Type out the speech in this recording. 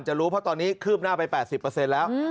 รู้เพราะตอนนี้คืบหน้าไป๘๐แล้ว